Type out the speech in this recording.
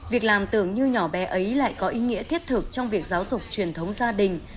việc làm tưởng như nhỏ bé ấy lại có ý nghĩa thiết thực trong việc giáo dục truyền thống gia đình